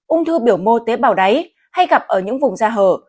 ung thư biểu mô tế bào đáy hay gặp ở những vùng da hở